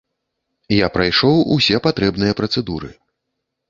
Я прайшоў усе патрэбныя працэдуры.